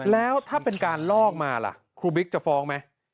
แล้วถ้าเป็นการลอกมาล่ะครูบิ๊กจะฟ้องไหม